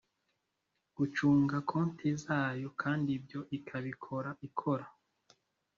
gucunga konti zayo kandi ibyo ikabikora ikora